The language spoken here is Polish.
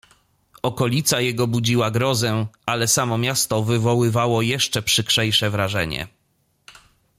"Okolica jego budziła grozę, ale samo miasto wywoływało jeszcze przykrzejsze wrażenie."